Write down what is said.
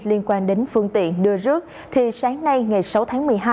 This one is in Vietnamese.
liên quan đến phương tiện đưa rước thì sáng nay ngày sáu tháng một mươi hai